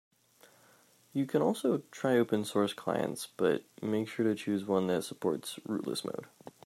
You can also try open source clients, but make sure to choose one that supports rootless mode.